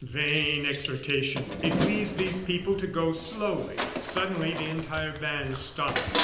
Vain exhortation! It pleased these people to go slowly. Suddenly the entire band stopped.